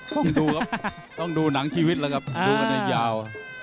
ต้องดูครับต้องดูหนังชีวิตแล้วครับดูกันให้ยาว